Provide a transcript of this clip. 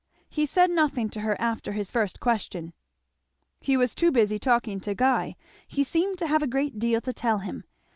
He said nothing to her after his first question. He was too busy talking to Guy. He seemed to have a great deal to tell him.